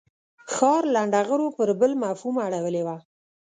ښار لنډه غرو پر بل مفهوم اړولې وه.